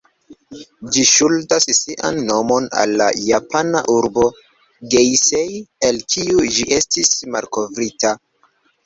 Ĝi ŝuldas sian nomon al la japana urbo "Geisei", el kiu ĝi estis malkovrita.